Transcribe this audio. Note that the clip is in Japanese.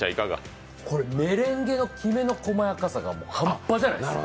メレンゲのきめの細やかさが半端じゃないです。